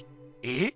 えっ？